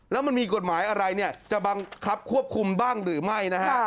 แล้วมันมีกฎหมายอะไรเนี่ยจะบังคับควบคุมบ้างหรือไม่นะฮะ